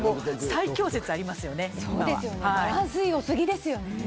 バランスがよすぎですよね。